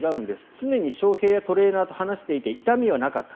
常に翔平やトレーナーと話していて痛みはなかった。